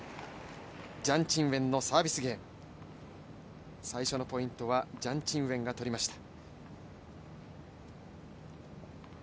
ジャン・チンウェンのサービスゲーム、最初のポイントはジャン・チンウェンが取りました。